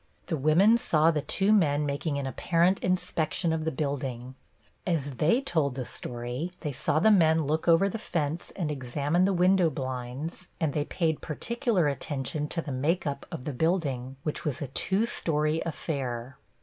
The women saw the two men making an apparent inspection of the building. As they told the story, they saw the men look over the fence and examine the window blinds, and they paid particular attention to the make up of the building, which was a two story affair.